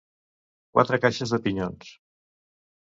Quatre caixes de pinyons.